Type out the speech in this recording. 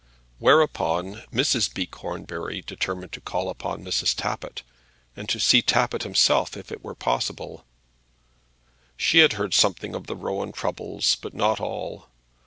Whereupon Mrs. B. Cornbury determined to call on Mrs. Tappitt, and to see Tappitt himself if it were possible. She had heard something of the Rowan troubles, but not all.